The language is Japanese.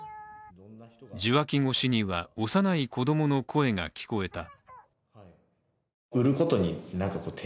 受話器越しには幼い子供の声が聞こえた。